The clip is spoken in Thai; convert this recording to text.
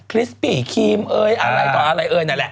คริสปี้คีมอะไรต่ออะไรนั่นแหละ